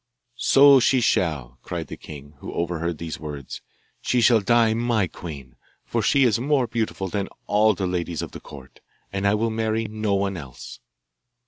'So she shall,' cried the king, who overheard these words; 'she shall die my queen, for she is more beautiful than all the ladies of the court, and I will marry no one else.